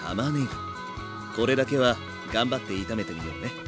これだけは頑張って炒めてみようね。